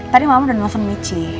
tadi mama udah nelfon michi